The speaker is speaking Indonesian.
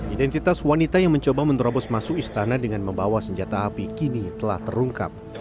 identitas wanita yang mencoba menerobos masuk istana dengan membawa senjata api kini telah terungkap